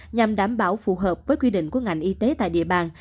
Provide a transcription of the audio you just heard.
nhằm đảm bảo phù hợp với quy định của ngành y tế tại địa bàn